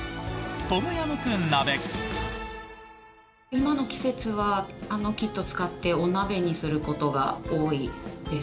今の季節はあのキットを使ってお鍋にすることが多いです。